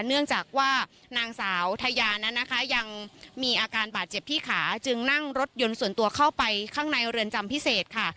เนื่องจากว่านางสาวทายานั้นนะคะยังมีอาการบาดเจ็บที่ขาจึงนั่งรถยนต์ส่วนตัวเข้าไปข้างในเรือนจำพิเศษค่ะ